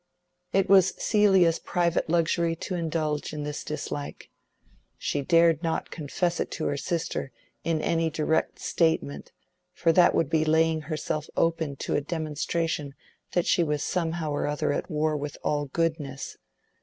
It was Celia's private luxury to indulge in this dislike. She dared not confess it to her sister in any direct statement, for that would be laying herself open to a demonstration that she was somehow or other at war with all goodness.